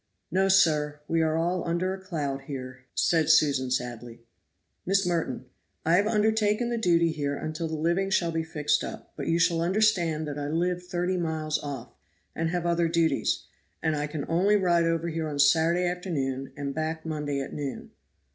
"No, sir, we are all under a cloud here," said Susan sadly. "Miss Merton, I have undertaken the duty here until the living shall be filled up; but you shall understand that I live thirty miles off, and have other duties, and I can only ride over here on Saturday afternoon and back Monday at noon."